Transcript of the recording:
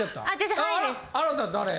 あなた誰？